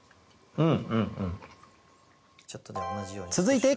うん。